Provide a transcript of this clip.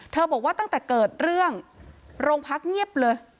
บอกว่าตั้งแต่เกิดเรื่องโรงพักเงียบเลย